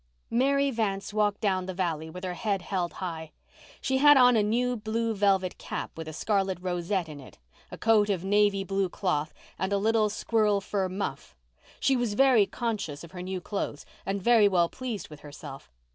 Mary Vance walked down the Valley with her head held high. She had on a new blue velvet cap with a scarlet rosette in it, a coat of navy blue cloth and a little squirrel fur muff. She was very conscious of her new clothes and very well pleased with herself.